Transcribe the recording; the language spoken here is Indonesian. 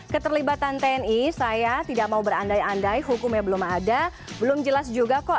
keterlibatan tni saya tidak mau berandai andai hukumnya belum ada belum jelas juga kok